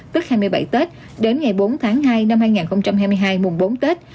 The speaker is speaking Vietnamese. tức hai mươi bảy tết đến ngày bốn tháng hai năm hai nghìn hai mươi hai mùng bốn tết